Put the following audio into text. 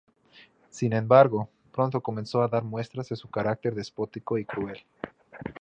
Sin embargo, pronto comenzó a dar muestras de su carácter despótico y cruel.